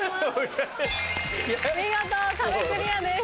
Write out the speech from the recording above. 見事壁クリアです。